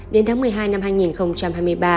đến tháng một mươi hai năm hai nghìn hai mươi ba